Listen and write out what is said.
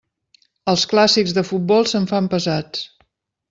Els clàssics de futbol se'm fan pesats.